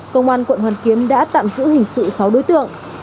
công an quận hoàn kiếm đã tạm giữ hình sự sáu đối tượng